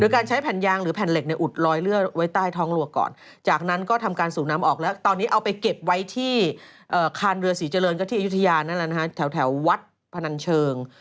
การใช้แผ่นยางหรือแผ่นเหล็กในอุดลอยเลือดไว้ใต้ท้องรัวก่อนจากนั้นก็ทำการสูบน้ำออกแล้วตอนนี้เอาไปเก็บไว้ที่คานเรือศรีเจริญก็ที่อายุทยานั่นแหละนะฮะแถววัดพนันเชิง